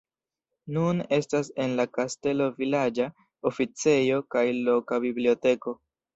Nun estas en la kastelo vilaĝa oficejo kaj loka biblioteko.